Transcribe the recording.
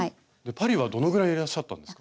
パリはどのぐらいいらっしゃったんですか？